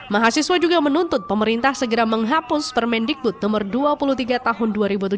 mahasiswa juga menuntut pemerintah segera menghapus permendikbud no dua puluh tiga tahun dua ribu tujuh belas